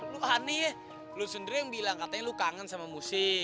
lu aneh lu sendiri yang bilang katanya lu kangen sama musik